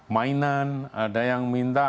mainan ada yang minta